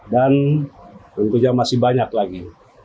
dan tentunya masih banyak lagi